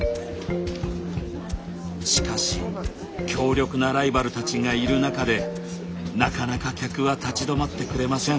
しかし強力なライバルたちがいる中でなかなか客は立ち止まってくれません。